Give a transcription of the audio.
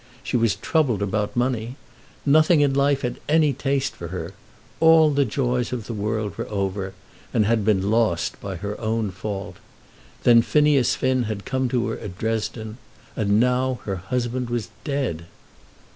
She was troubled about money. Nothing in life had any taste for her. All the joys of the world were over, and had been lost by her own fault. Then Phineas Finn had come to her at Dresden, and now her husband was dead!